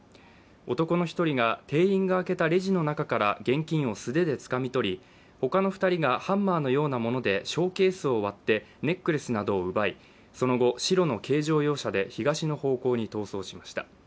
男の１人が店員が開けたレジの中から現金を素手でつかみ取り他の２人がハンマーのようなものでショーケースを割ってネックレスなどを奪い、その後、白の軽乗用車で東の方向に逃走しました。